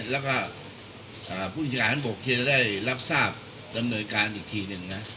แล้วก็ผู้บริหารบกที่จะได้รับทราบดำเนินการอีกทีหนึ่งนะ